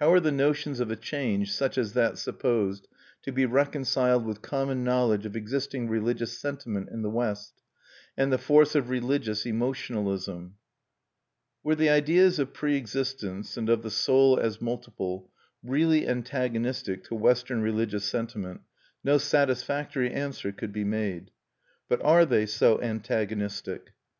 How are the notions of a change, such as that supposed, to be reconciled with common knowledge of existing religious sentiment in the West, and the force of religious emotionalism? Were the ideas of pre existence and of the soul as multiple really antagonistic to Western religious sentiment, no satisfactory answer could be made. But are they so antagonistic?